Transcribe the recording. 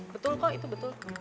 betul kok itu betul